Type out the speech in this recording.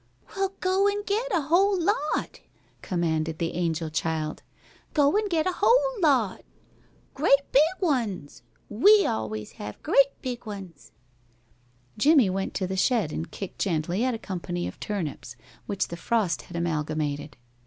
"Well, go an' get a whole lot," commanded the angel child. "Go an' get a whole lot. Grea' big ones. We always have grea' big ones." Jimmie went to the shed and kicked gently at a company of turnips which the frost had amalgamated.